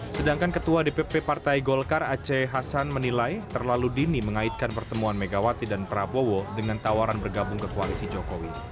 sedangkan ketua dpp partai golkar aceh hasan menilai terlalu dini mengaitkan pertemuan megawati dan prabowo dengan tawaran bergabung ke koalisi jokowi